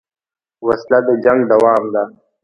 وسله د جنګ دوام ده